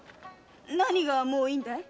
何がもういいんだい？